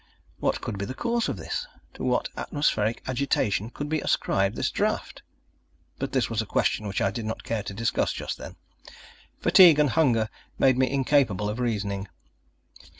What could be the cause of this to what atmospheric agitation could be ascribed this draught? But this was a question which I did not care to discuss just then. Fatigue and hunger made me incapable of reasoning.